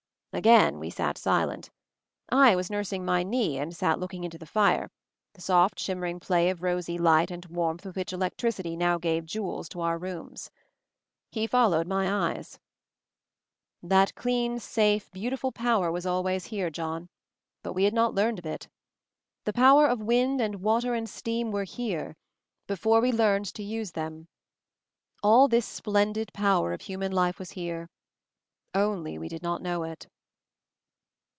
Again we sat silent. I was nursing my knee and sat looking into the fire; the soft shimmering play of rosy light and warmth with which electricity now gave jewels to our rooms. He followed my eyes. "That clean, safe, beautiful power was always here, John — but we had not learned of it. The power of wind and water and steam were here — before we learned to use MOVING THE MOUNTAIN 263 them. All this splendid power of human life was here — only we did not know it."